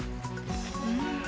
うん！